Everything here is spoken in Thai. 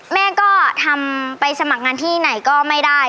แม่ก็ทำไปสมัครงานที่ไหนก็ไม่ได้